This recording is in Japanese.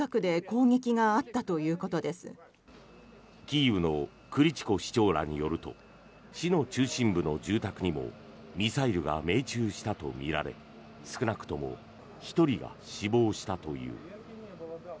キーウのクリチコ市長らによると市の中心部の住宅にもミサイルが命中したとみられ少なくとも１人が死亡したという。